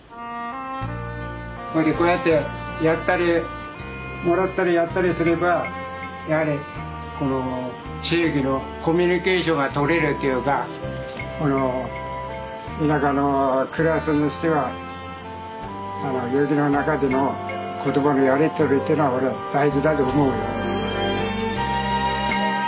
ほいでこうやってやったりもらったりやったりすればやはりこの地域のコミュニケーションが取れるっていうかこの田舎の暮らしにしては雪の中での言葉のやり取りっていうのは俺は大事だと思うよ。